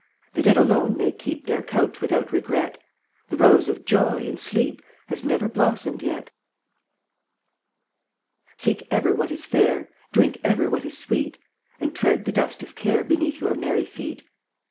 The dead alone may keep Their couch without regret; The Rose of Joy, in sleep, Has never blossomed yet. Seek ever what is fair, Drink ever what is sweet, And tread the dust of care Beneath your merry feet.